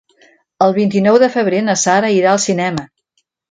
El vint-i-nou de febrer na Sara irà al cinema.